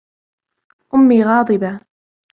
أمي غاضبة.